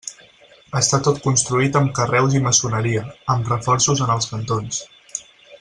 Està tot construït amb carreus i maçoneria, amb reforços en els cantons.